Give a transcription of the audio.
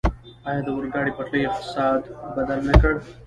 آیا د اورګاډي پټلۍ اقتصاد بدل نه کړ؟